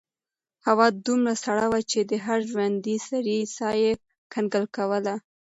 هوا دومره سړه وه چې د هر ژوندي سري ساه یې کنګل کوله.